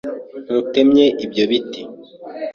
Ntutemye ibyo biti.